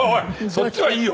そっちはいいよ。